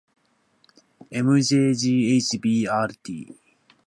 ｍｊｇｈｂｒｔ